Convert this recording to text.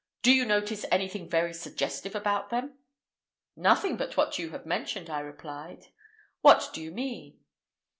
Do you notice anything very suggestive about them?" "Nothing but what you have mentioned," I replied. "What do you mean?"